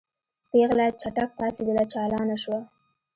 پېغله چټک پاڅېدله چالانه شوه.